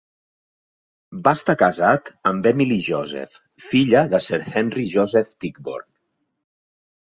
Va estar casat amb Emily Joseph, filla de Sir Henry Joseph Tichborne.